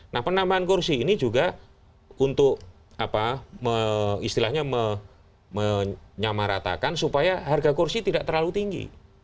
nah penambahan kursi ini juga untuk istilahnya menyamaratakan supaya harga kursi tidak terlalu tinggi